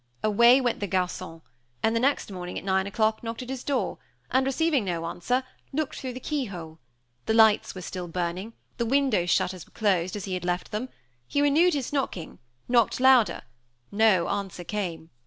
"Away went the garçon, and next morning at nine o'clock knocked at his door and, receiving no answer, looked through the key hole; the lights were still burning, the window shutters were closed as he had left them; he renewed his knocking, knocked louder, no answer came.